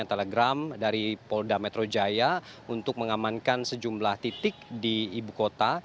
telegram dari polda metro jaya untuk mengamankan sejumlah titik di ibu kota